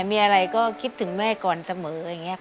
มีอะไรก็คิดถึงแม่ก่อนเสมออย่างนี้ค่ะ